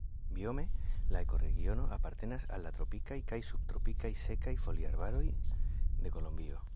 Biome la ekoregiono apartenas al la tropikaj kaj subtropikaj sekaj foliarbaroj de Kolombio.